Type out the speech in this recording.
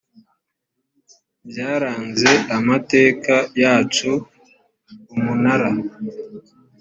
byaranze amateka yacu umunara